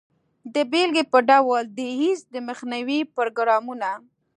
د بیلګې په ډول د ایډز د مخنیوي پروګرامونه.